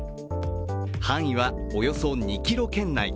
範囲はおよそ２ｋｍ圏内。